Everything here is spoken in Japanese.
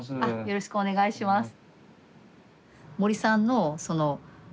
よろしくお願いします。